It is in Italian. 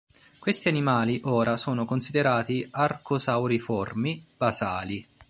Questi animali, ora, sono considerati arcosauriformi basali.